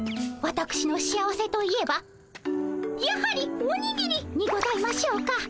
わたくしの幸せといえばやはりおにぎりにございましょうか。